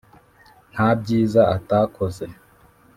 nta byiza atakoze,